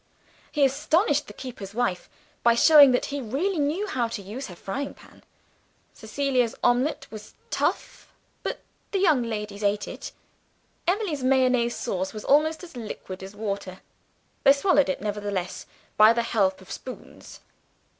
He astonished the keeper's wife by showing that he really knew how to use her frying pan. Cecilia's omelet was tough but the young ladies ate it. Emily's mayonnaise sauce was almost as liquid as water they swallowed it nevertheless by the help of spoons.